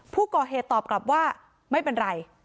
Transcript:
ผู้ก่อเหตุตอบกลับว่าไม่เป็นไร